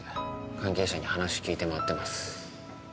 関係者に話聞いて回ってます